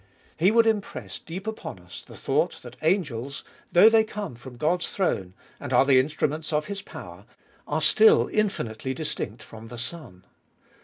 He would impress deep upon us the thought that angels, though they come from God's throne, and are the instruments of His power, are still infinitely distinct from the Son.